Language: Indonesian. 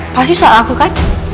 pasti soal aku kan